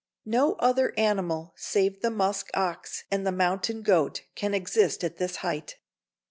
No other animal save the musk ox and the mountain goat can exist at this height.